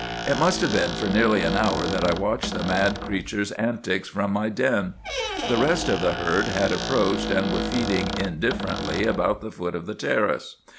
"It must have been for nearly an hour that I watched the mad creature's antics from my den. The rest of the herd had approached, and were feeding indifferently about the foot of the terrace.